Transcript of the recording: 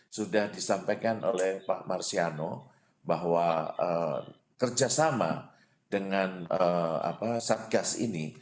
sudah disampaikan oleh pak marsiano bahwa kerjasama dengan satgas ini